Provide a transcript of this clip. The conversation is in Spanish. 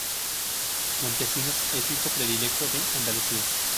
Montesinos es Hijo Predilecto de Andalucía.